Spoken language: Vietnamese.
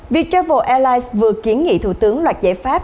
viettravel airlines vừa kiến nghị thủ tướng loạt giải pháp